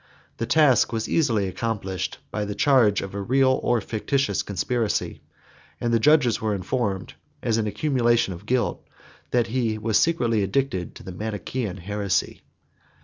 The task was easily accomplished by the charge of a real or fictitious conspiracy; and the judges were informed, as an accumulation of guilt, that he was secretly addicted to the Manichaean heresy.